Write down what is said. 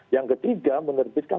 yang ketiga menerbitkan